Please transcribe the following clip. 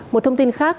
một thông tin khác